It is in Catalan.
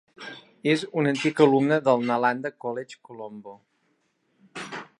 És un antic alumne del Nalanda College Colombo.